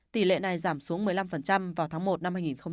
tỷ lệ này giảm xuống một mươi năm vào tháng một năm hai nghìn hai mươi